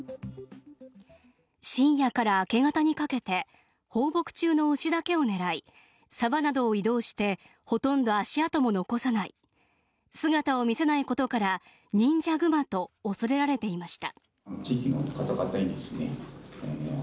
深夜から明け方にかけて放牧中の牛だけを狙い沢などを移動してほとんど足跡も残さない、姿を見せないことから忍者グマと恐れられていました。